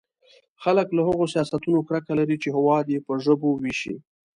خلک له هغو سیاستونو کرکه لري چې هېواد يې په ژبو وېشي.